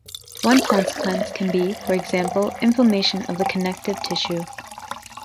One consequence can be, for example, inflammations of the connective tissue.